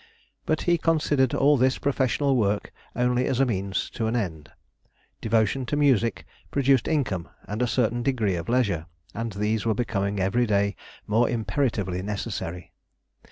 But he considered all this professional work only as the means to an end; devotion to music produced income and a certain degree of leisure, and these were becoming every day more imperatively necessary.